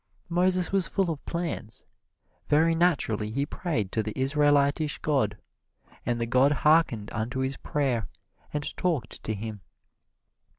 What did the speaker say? Moses was full of plans. Very naturally he prayed to the Israelitish god, and the god harkened unto his prayer and talked to him.